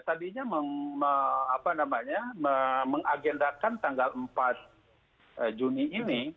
tadinya mengagendakan tanggal empat juni ini